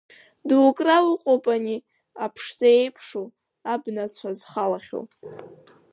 Дукра уҟоуп ани, аԥшӡа иеиԥшу, абна ацәа зхалахьоу!